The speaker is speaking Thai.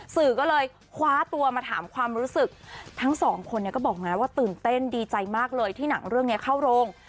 สื่อก็เลยคว้าตัวมาถามความรู้สึกทั้งสองคนเนี่ยก็บอกนะว่าตื่นเต้นดีใจมากเลยที่หนังเรื่องนี้เข้าโรง